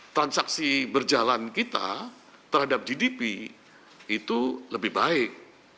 transaksi berjalan kita terhadap gdp itu lebih baik